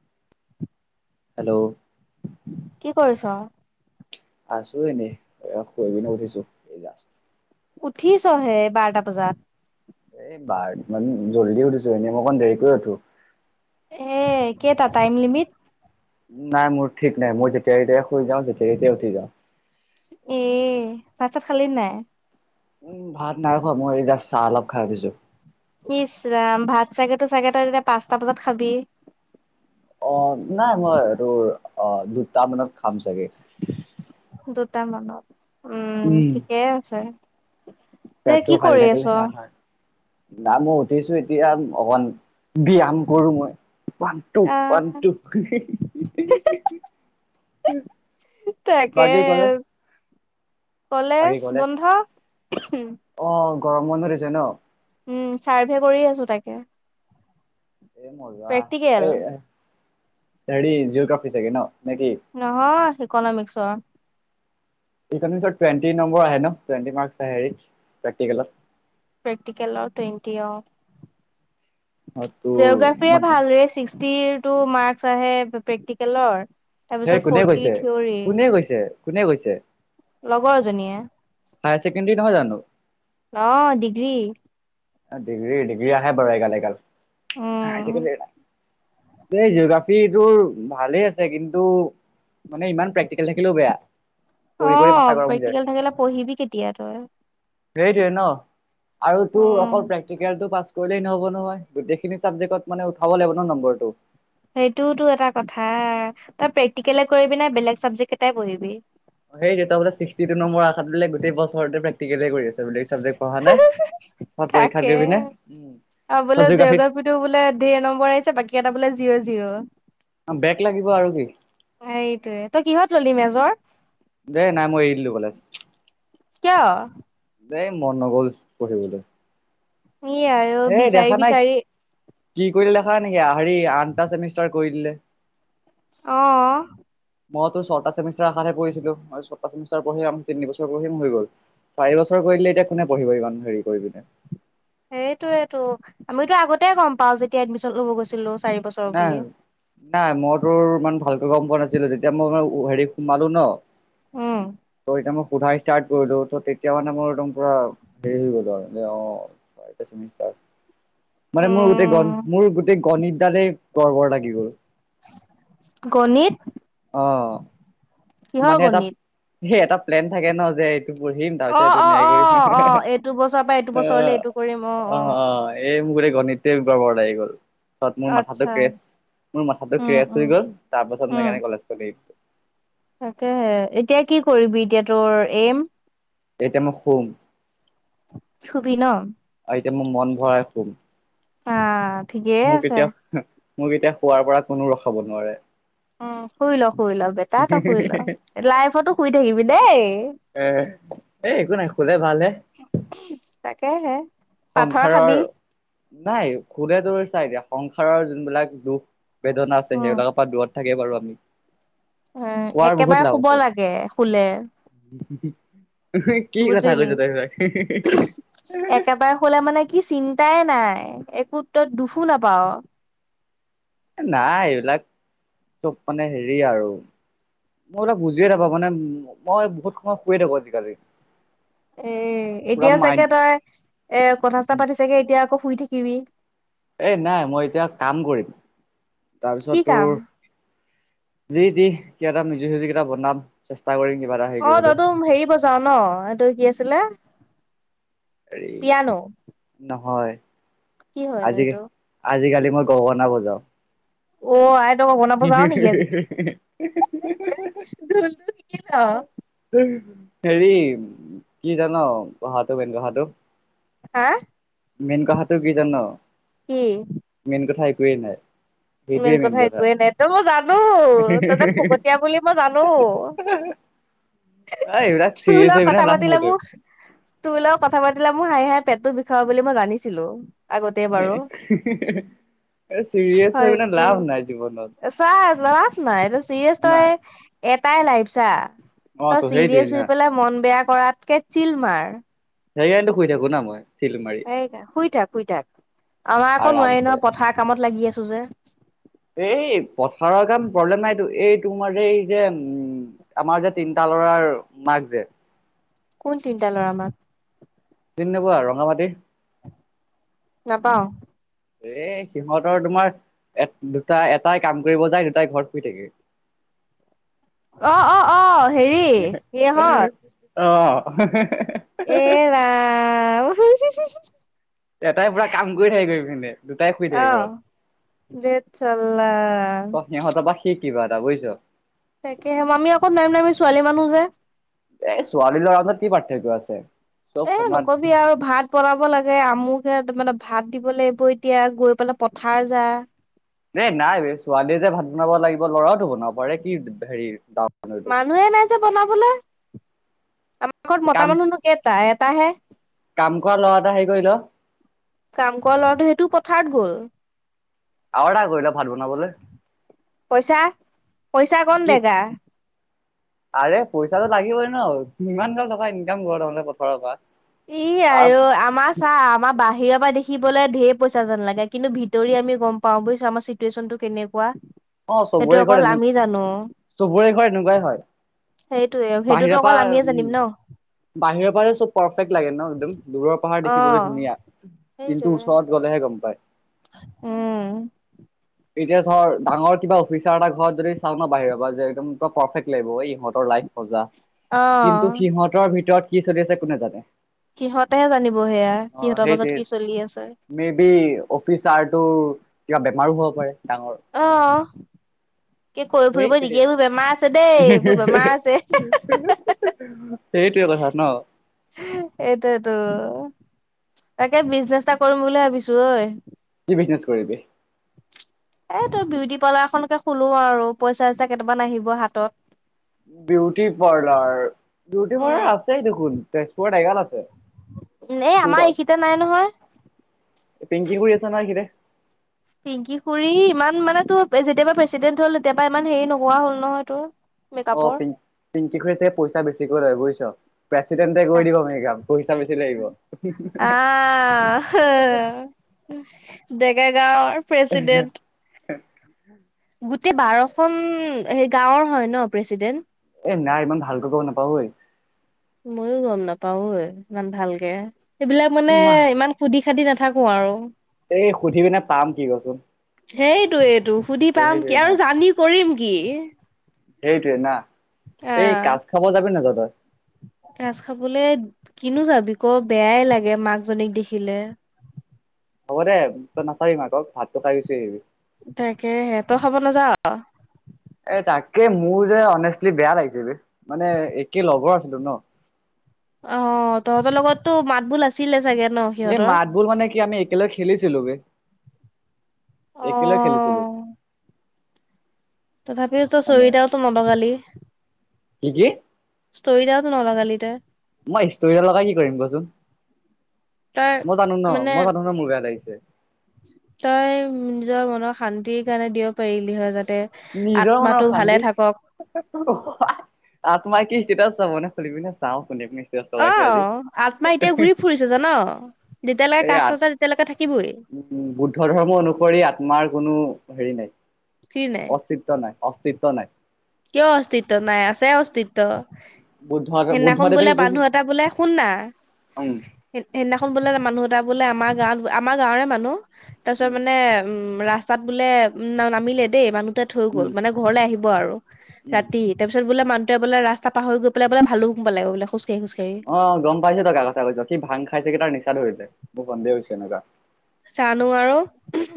[inaudible] Hello? কি কৰিছ? আছোঁ এনেই। ‌ এইয়া, শুই পিনে উঠিছোঁ, এইয়া। উঠিছহে বাৰটা বজাত? এই বাৰ, ইমান জল্দি উঠিছোঁ। এনেই মই অকণ দেৰিকৈ উঠোঁ। এ, কেইটা টাইম লিমিট? নাই, মোৰ ঠিক নাই। মই যেতিয়া-তেতিয়া শুই যাওঁ, যেতিয়া-তেতিয়া উঠি যাওঁ। এ, ভাত-চাত খালি নাই? উম, ভাত নাই খোৱা। মই এই, জাষ্ট চাহ অলপ খাই উঠিছোঁ। ইচ্ ৰাম! ভাত চাগতো, চাগে তই, এতিয়া পাঁচটা বজাত খাবি? অ'! নাই মই, এই তোৰ, অ'! দুটা মানত খাম চাগে। দুটা মানত। উম, ঠিকেই আছে। যে পেটটো কি খালি কৰি আছ? থাকিলে, ভাল হয়। নই মই উঠিছোঁ এতিয়া, অকমান, ব্যায়াম কৰোঁ মই। আহ [unintelligible] [unintelligible] তাকে। বাকী কলেজ কলেজ বন্ধ। [unintelligible] অ'! গৰম বন্ধ দিছে ন'? উম, চাৰ্ভে কৰি আছোঁ, তাকে। এই মজা! প্ৰেক্টিকেল? এই, সেৰি, জিঅ'গ্ৰাফী চাগে ন' নেকি? নহয়, ইকনমিক্সৰ। ইকনমিক্সৰ টুৱেণ্ট নম্বৰ আহে ন', টুৱেন্টি মাৰ্ক্স আহে, [unintelligible] প্ৰেক্টিকেলত? প্ৰেক্টিকেল টুৱেন্টি, অ'! অ তোৰ জিঅ'গ্ৰাফীয়ে মানে ভালৰে, তিৰ টো মাৰ্কচ আহে প্ৰেক্টিকেলৰ সেই তাৰপিছত কোনে ফৰটি কৈছে থিয়ৰী কোনে কৈছে কোনে কৈছে লগৰ এজনীয়ে হায় ছেকেণ্ডেৰী নহয় জানো অঁ ডিগ্ৰী ডিগ্ৰী ডিগ্ৰী আহে বাৰু এগাল‌-এগাল হাই উম। ছেকেণ্ডাৰী। এই জিঅগ্ৰাফিটো ভালে আছে কিন্তু মানে ইমান প্ৰেক্ প্ৰেক্টিকেল থাকিলেও বেয়া কৰি কৰি অ' মাথা গৰম হৈ যায়। প্ৰেক্টিকেল থাকিলে পঢ়িবি কেতিয়া তই সেইটোৱে ন' আৰু তোৰ উম। অকল প্ৰেক্টিকেলটো পাছ কৰিলেই নহব নহয় গোটেইখিনি চাবজেকট মানে উঠাব লাগিব ন' নম্বৰটো। সেইটোওঁতো টো এটা কথা তই প্ৰেক্টিকেলে কৰিবি নে বেলেগ চাবজেক্ট কেইটাই পঢ়িবি? সেই দুটা বুলে ছিক্টি টো নম্বৰ আসাত বোলে গোটই বছৰ তোৱে বেগ প্ৰেক্টিকেলে কৰি আছে বেলেগ চাবজেক্ট পঢ়া নাই পৰীক্ষাত তাকে গৈ পিনে [unintelligible] সেইটোত বোলে ডেৰ নম্বৰ আহিছে বাকী এটা বোলে জিৰ' জিৰ'। বেগ লাগিব আৰু কি। হেইটোয়ে তই কিহত ললি মে'জৰ? দে নাই মই এৰি দিলো কলেজ। কিয়? হেই মন নগ'ল পঢ়িবলৈ। ই আয়ৌ। এই দেখা নাই, কি কৰিলে দেখা নাই নেকি হেৰি আঠটা চেমিষ্টাৰ কৰি দিলে। অ',। মই তোৰ ছটা চেমিষ্টাৰ আশাত হে পঢ়িছিলো মই ছটাচেমিষ্টাৰ পঢ়ি আৰু তিনিবছৰ পঢ়িম হৈ গ'ল। চাৰি বছৰ কৰিদিলে এতিয়া কোনে পঢ়িব ইমান হেৰি কৰি পিনে। হেইটোয়ে টো আমিতো আগতে গম পাওঁ যেতিয়া এডমিশন লব গৈছিলো চাৰি বছৰ [unintelligible] নাই মইতোৰ ইমান ভালকে গম পোৱা নাছিলো তেতিয়া মই -হেৰি সোমালো ন'। উম তৌ এটিয়া মই সুধা ইষ্টাৰ্ট কৰিলো তেতিয়া মানে মই একদম পুৰা হেৰি হৈ গলো আৰু অ মানে মোৰ গোটেই গণ উম মোৰ গোটেই গণিত দালেই গৰ্বৰ লাগি গ'ল। গণিত? অ', কিহৰ মানে এটা গণিত সেই এটা প্লেন থাকে ন' যে এইটো পঢ়িম তাৰ অ পিছত অ অ ধুনীয়াকে হে অ হে এইটো বছৰৰ পৰা এইটো বছৰলে অ', এইটো কৰিম অ' অ', এ মোৰ গোটেই গণিত তোৱেই গৰ্বৰ লাগি গ'ল। তাত মোৰ মাথাটো আচ্ছা ক্ৰেছ মোৰ মাথাটো উম ক্ৰেছ উম হৈ গ'ল তাৰ পাছত মই উম সেইকাৰণে কলেজ খন এৰিদিলো। তাকেহে এতিয়া কি কৰিবি এতিয়া তোৰ এইম? এতিয়া মই শুম। সোবি ন'। আৰু এতিয়া মোৰ মন ভৰাই শুম। [unintelligible] মোক আছে এতিয়া মোক এতিয়া শুৱাৰ পৰা কোনো ৰখাব নোৱাৰে। উম শুই ল শুই ল বেটা তই শুই ল নোৱাৰে লাইফতো শুই থাকিবি দেই। এ, এ একো নাই শুলে ভাল হে। তাকেহে। পাথৰ খাবি সংসাৰৰ নাই শুলে তোৰ চা এতিয়া সংসাৰৰ যোনবিলাক দুখ বেদনা আছে উম সেইবিলাকৰ পৰা দূৰত থাকেই বৰ আমি। এঁ শুৱাৰ বহুত একেবাৰে লাভ শুব আছে লাগে শুলে। কি কথা বুজিলি কৈছ তই এইবিলাক। একেবাৰে শুলে মানে কি চিন্তাই নাই একো তই দুখো নাপা'ৱ। এ নাই এইবিলাক চব মানে হেৰি আৰু। মই মানে বুজিয়ে নাপাওঁ মানে মই বহুত সময় শুয়ে থাকো আজিকালি। এ এ পুৰা এতিয়া মাইণ্ড চাগে তই এ কথা-চতা পাতি চাগে এতিয়া আকৌ শুই থাকিবি। এই নাই মই এতিয়া কাম কৰিম তাৰপিছত কি কাম তোৰ- জি দি কিবা এটা মিউজিক চিউজিক এটা বনাম। চেষ্টা কৰি কিবা এটা। হেৰি অ, কৰিবলৈ তইতো হেৰি বজাৱ ন, এইটো কি আছিলে? হেৰি পিয়ানো নহয়। কি হয়নো আজি, এইটো আজিকালি মই গগনা বজাওঁ। অ', আই, তই গগনা বজাও নেকি আজিকালি? ঢোলটো শিকি থ। উম' হেৰি, কি জান? কথাটো, মেইন কথাটো। হাঁ? মেইন কথাটো কি জান? কি? মেইন কথা একোৱেই নাই। মেইন কথা একোৱেই নাই, তয় মই জানোঁ, তয় যে ফকতীয়া বুলি মই জানো। এই এইবিলাক তোৰ চিৰিয়াছ লগত হৈ কথা পেলাই লাভ পাতিলে নাইটো। মোৰ তোৰ লগত কথা পাতিলে, মোৰ হাঁহি হাঁহি পেটটো বিষাব বুলি মই জানিছিলোঁ। এ চিৰিয়েছ হৈ পিনাই লাভ নাই জীৱনত। এ চা লাভ নাই তয় চিৰিয়েছ তই নাই এটাই লাইফ চা- অ তই তো সেইটোৱে চিৰিয়েছ হৈ না পেলাই, মন বেয়া কৰাতকে চিল মাৰ। গাড়ি আনোটো শুই থাকো না মই। চিল মাৰি এই কা শুই থাক, শুই থাক। আমাৰ আকৌ নোৱাৰি আৰামছে নহয়, পথাৰ কামত লাগি আছোঁ যে। এই, পথাৰৰ কাম প্ৰব্লেম নাইতো। এই তোমাৰ যে, এই যে উম'। আমাৰ যে, তিনটা ল'ৰাৰ মাক যে। কোন তিনিটা ল'ৰা মাক? চিনি নোপোৱা, ৰঙা মাটি। নাপাওঁ। এ, সিহঁতৰ তোমাৰ দুটা এটাই কাম কৰিব যায়, দুটাই ঘৰত শুই থাকে। অঁ' অঁ' অঁ' হেৰি ইহঁত। অঁ' এই- এটাই পুৰা কাম কৰি থাকে গৈ ইপিনে। অঁ' ধেইৎ চাল্লা। ত সিহঁতৰ পৰা শিক, কিবা এটা, বুইছ? তাকেহে আমি আকৌ নোৱাৰিম নহয়, আমি ছোৱালী মানুহ যে। এ, ছোৱালী-লৰা আগত কি পাৰ্থক্য আছে? চব সমান। ঠি আৰু ভাত বনাব লাগে। আমুকে, মানে, ভাত দিব লাগিব এতিয়া। গৈ পেলাই পথাৰ যা। এ, নাই বে। ছোৱালীয়ে যে ভাত বনাব লাগিব, ল'ৰাওটো বনাব পাৰে কি হেৰি দাও- মানুহে নাই যে বনাবলে। আমাৰ ঘৰত মতা কাম মানুহনো কেইটা? এটাহে। কাম কৰা ল'ৰা এটা হেৰি কৰি ল। কাম কৰা ল'ৰাটো সেইটো পথাৰত গ'ল। অৰ্ডাৰ কৰি ল ভাত বনাবলৈ পইচা পইচা কৌন কি দেগা? [inaudible] আৰে পইচাটো লাগিবই ন'। কি ইমান গাল টকা ইনকাম কৰ তহঁতে পথাৰৰ পৰা। ই তাৰ আওঁ, আমাৰ চা, আমাৰ বাহিৰৰ পৰা দেখিবলৈ ঢেৰ পইচা যেন লাগে। কিন্তু ভিতৰি আমি গম পাওঁ বুজিছোঁ আমাৰ চিটুৱেচনটো কেনে কোৱা। অ', চবৰে ঘৰত এনেক চবৰে ঘৰত এনেকুৱাই হয়। সেইটোৱেই সেইটোতো বাহিৰৰ পৰা অকল আমিয়েই উম জানিম ন'। বাহিৰৰ পা যে ব পাৰফেক্ট লাগে ন' একদম দূৰৰ পাহাৰ অ দেখিবলৈ ধুনীয়া। সেইটোৱে কিন্তু ওচৰত গ'লেহে গম পায়। উম। এতিয়া ধৰ ডাঙৰ কিবা অফিচাৰ এটা ঘৰত যদি চাওঁ ন বাহিৰৰ পৰা যে একদম পাৰফেক্ট লাগিব। এই ইহঁতৰ লাইফ মজা। অ কিন্তু সিহঁতৰ ভিতৰত কি চলি আছে কোনে জানে। সিহঁতেহে জানিব সেয়া অ সিহঁতৰ সেইটোৱে মাজত কি চলি আছে। মে বি অফিচাৰতো কিবা বেমাৰো হ'ব পাৰে ডাঙৰ। অ', কি কৈ ফুৰিব সেইটোৱে নেকি এইবোৰ বেমাৰ আছে দেই এইবোৰ বেমাৰ আছে। সেইটোৱে কথা ন। সেইটোৱেটো। তাকে বিজনেছ এটা কৰিম বুলি ভাবিছো ঐ। কি বিজনেছ কৰিবি? এই তই বিউটি পাৰ্লাৰ এখনকে খোলো আৰু পইচা চইচা কেইটামান আহিব হাতত। বিউটি পাৰ্লাৰ বিউটি পাৰ্লাৰ উম আছেই দেখোন তেজপুৰত এগাল আছে। এ তোৰ আমাৰ এইখিতে নাই নহয়। এই পিংকি খুৰি আছে নহয় সেইখিনিতে। পিংকি খুুৰী ইমান মানে তোৰ যেতিয় পৰা প্ৰেচিডেণ্ট হ'ল তেতিয়াৰ ইমান হেৰি নহোৱা হ'ল নহয় তোৰ। অ', মেকআপৰ পিং পিংকি খুৰীয়ে চাগে পইচা বেছিকৈ লয় বুজিছ। প্ৰেচিডেণ্টে কৰি দিব মেকআপ পইচা বেছি লাগিব। ডেকাগাঁওৰ প্ৰেচিডেণ্ট। গোটেই বাৰখন সেই গাঁৱৰ হয় ন প্ৰেচিডেণ্ট? এ নাই ইমান ভালকৈ গম নাপাওঁ ঐ। মইও গম নাপাওঁ ঐ ইমান ভালকে সেইবিলাক মানে ইমান সুধি খাধি নাথাকো আৰু। এই সুধি পিনে পাম কি কচোন। সেইটোৱেটো সুধি পাম সেইটোৱে কি না আৰু জানি কৰিম কি। সেইটোৱে না এই কাজ খাব যাবি নাযায় তই। কাজ খাবলৈ কিনো যাবি ক বেয়াই লাগে মাক জনীক দেখিলে। হ'ব দে তই নাচাবি মাকক ভাতটো খাই গুচি আহিবি। তাকেহে তই খাব নাযাৱ? এ তাকে মোৰ যে অনেষ্টলি বেয়া লাগিছিল মানে একে লগৰ আছিলো ন। অ', তহঁতৰ লগতো মাত বোল আছিলে চাগে। ন সিহঁতৰ? মাত বোল মানে কি আমি একেলগে খেলিছিলোঁ বে। একেলগে খেলিছিলো। অ' তথাপিও তই মানে ষ্ট'ৰী এটাওতো নলগালি। কি কি ষ্টৰি এটাও টো ন'লগালি তই। মই ষ্টুৰি এটা লগাই কি কৰিম ক চোন? তই মানে মই জানো ন মোৰ বেয়া লাগিছে তই নিজৰ মনৰ শান্তিৰ কাৰণে দিব পাৰিলি হয় যাতে নিজৰ মনৰ আত্মাটো অশান্তি ভালে থাকক। আত্মাই কি ষ্টেটাছ চাবনে খুধিবি নে চাওঁ শুনিবি অ আত্মা এতিয়া ঘূৰি ফুৰিছে জান যেতিয়ালেকে এই কাজ আ নাযায় তেতিয়ালৈকে থাকিবেই। বুদ্ধ ধৰ্মৰ অনুসৰি আত্মাৰ কোনো হেৰি নাই ফ্ৰী নাই অস্তিত্ব নাই অস্তিত্ব নাই। কিয় অস্তিত্ব নাই আছে অস্তিত্ব। বুদ্ধ সেইদিনাখন বুদ্ধদেৱে বোলে কি কৈছে মানুহ এটা বোলে শুন না উম সেইদিনাখন বোলে মানুহ এটা বোলে আমাৰ গাঁৱত আমাৰ গাঁৱৰে মানুহ তাৰপিছত উম মানে ৰাস্ত ৰাস্তাত বোলে উম নামিলে দেই মানুহটোৱে থৈ গ'ল উম মানে ঘৰলে আহিব আৰু উম ৰাতি তাৰপিছত বোলে মানুহটোৱে বোলে ৰাস্তা পাহৰি গৈ পেলাই বোলে ভালুকপুং পালেগৈ বোলে খোজকাঢ়ি খোজকাঢ়ি। অ, গম পাইছো তই কাৰ কথা কৈছ সি ভাং খাই চাগে কি তাৰ নিছা ধৰিলে মোৰ সন্দেহ হৈছে এনেকুৱা। জানো আৰু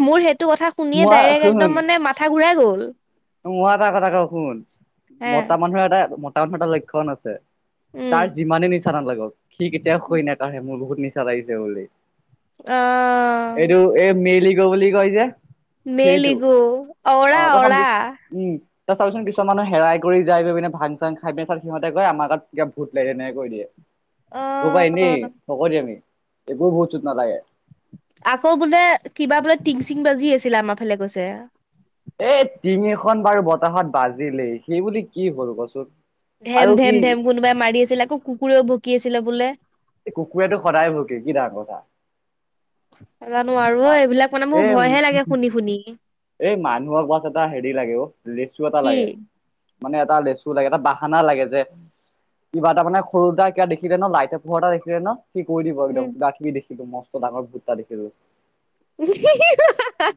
মোৰ সেইটো কথা শুনিয়ে মই ডাইৰেক্ট একদম মানে মাথা ঘূৰাই গ'ল। তোক মই এটা কথা কওঁ শুন হে মতা মানুহ এটাই টা লক্ষণ আছে তাৰ উম যিমানে নিছা নালাগক সি কেতিয়াও সৈ নাকাঢ়ে মোৰ বহুত নিছা ছা লাগিছে বুলি। অ। এইটো এই মেল ইগ' বুলি কয় যে। মেল সেইটো ইগ' অ অৰা তই অৰা। চাবি উম। তই চাবিচোন কিছুমান মানুহ হেৰাই কৰি যাই গৈ পিনে ভাং-চাং খাই পিনে সিহঁতে কয় আমাৰ গাত কা ভূত লাগিলে তেনেকে কৈ দিয়ে। অ সেইসোপা এনেই ফকতিয়ামি একোৱে ভূত-চুত নালাগে। আকৌ বোলে কিবা বোলে টিং-চিং বাজি আছিলে আমাৰ ফালে কৈছে। এই টিঙ এখন বাৰু বতাহত বাজিলেই সেই বুলি কি হ'ল কচোন? ধেম আৰু কি ধেম ধেম কোনোবাই মাৰি আছিলে আকৌ কুকুৰেও ভুকি আছিলে বোলে। এই কুকুৰেটো সদায় ভুকে কি ডাঙৰ কথা। নাজানো আৰু অই এইবিলাক মানে মোৰ এ ভয় হে লাগে শুনি শুনি। এই মানুহক বছ এটা হেৰি লাগে অ লেচু এটা কি লাগে। মানে এটা লেচু লাগে এটা বাহানা লাগে যে কিবা এটা মানে সৰু এটা কিবা দেখিলে নহয় লাইটৰ পোহৰ এটা দেখিলে নহয় সি কৈ দিব উম একদম দাথি দেখিলো মস্ত ডাঙৰ ভুত এটা দেখিলো। [unintelligible]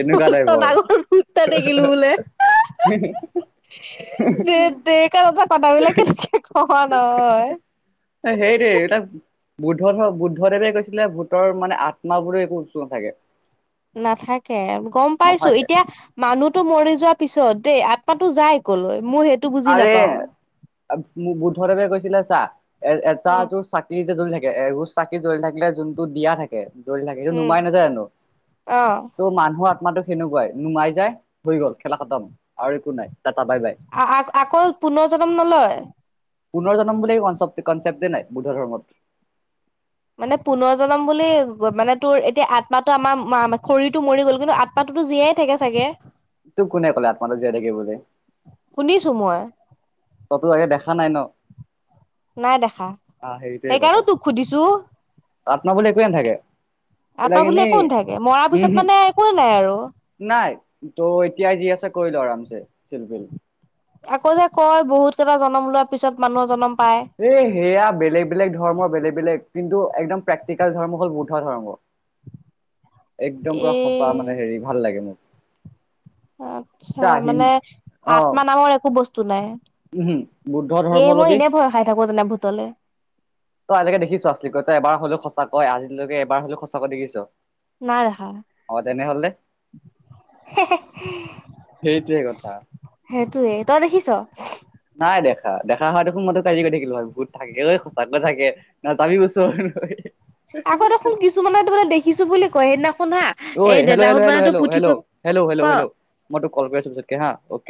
এনেকুৱা মস্ত টাইপৰ ডাঙৰ ভুত এটা দেখিলো বোলে। ধেৎতেৰিকা তহঁতৰ কথাাবিলাক কেনেকে কৱ নহয়। অ সেইটোৱে এতিয়া বুদ্ধ বুদ্ধদেৱে কৈছিলে ভূতৰ মানে আত্মাবোৰো একো বস্তু নাথাকে। নাথাকে গম পাইছো নাথাকে এতিয়া মানুহটো মৰি যোৱা পিছত দেই আত্মাটো যাই ক'লৈ মোৰ সেই আৰে বুদ্ধদেৱে কৈছিলে চা এ এটা উম, তোৰ চাকি যে জ্বলি থাকে এগজ চাকি জ্বলি থাকিলে যোনটো দিয়া থাকে জ্বলি থাকে সেইটো উম, নুমাই নাযায় জানো? অ', ত' মানুহৰ আত্মাটো সেনেকুৱাই নুমাই যায় হৈ গ'ল খেলা-খতম আৰু একো নাই তা তা বাই বাই। আ-আ-আকৌ পুনৰ জনম নলয়। পুনৰ জনম বুলি কন-কনচেপ্টেই নাই বুদ্ধ ধৰ্মত। মানে পুনৰ জনম বুলি মানে তোৰ এতিয়া আত্মাটো আমাৰ শৰীৰতটো মৰি গ'ল কিন্তু আ আত্মাটোতো জীয়াই থাকে চাগে। তোক কোনে ক'লে আত্মাটো জীয়াই থাকে বুলি। শুনিছোঁ মই। কতো আগে দেখা নাই ন'। নাই দেখা, আহ সেইটোৱে কথা সেইকাৰণে তোক সুধিছো। আত্মা বুলি একোৱে নাথাকে আত্মা এইবিলাক বুলি এনেই একো নোথাকে, মৰ পিছত উমহু মানে একোৱেই নাই আৰু। নাই তোৰ এতিয়াই যি আছে কৰিলো আৰামছে চিলপিল। আকৌ যে কয় বহুত কেইটা জনম লোৱাৰ পিছত মানুহৰ জনম পায়। এই সেয়া বেলেগ বেলেগ ধৰ্মৰ বেলেগ বেলেগ কিন্তু একদম প্ৰেক্টিকেল ধৰ্ম হ'ল বৌদ্ধ ধৰ্ম। [unintelligible] একদম এ পুৰা সঁচা মানে হেৰি ভাল লাগে মোক। আত্ছা চা হিন মানে অ আত্মা নামৰ একো বস্তু নাই। উমহু বুদ্ধ এ ধৰ্ম মই লবি এনেই ভয় খাই থাকো তেনে ভূতলে। তই আজিলৈকে দেখিছ আচলিকে তই এবাৰ হ'লে সঁচাকৈ আজিলৈকে এবাৰ হ'লে সঁচাকৈ দেখিছ। নাই দেখা। অহ, তেনেহ'লে। সেইটোৱে কথা। সেইটোৱে, তই দেখিছ? নাই দেখা, দেখা হয় হেঁতেন মই তোক আজি কৈ থাকিলো হয় ভূত থাকে সঁচাকৈ থাকে। ন' [unintelligible] আকৌ দেখোন কিছুমানে ত' মানে দেখিছো বুলি কয় সেইদিনাখন শুন হা! ঐ এই হেল্ল' হেল্ল' দেউতাহঁত হেল্ল' মানেতো হেল্ল' পুথি হেল্ল'। হেল্ল' হেল্ল' প হেল্ল' মই তোক কল কৰি আছো পিছতকে হা অ'কে।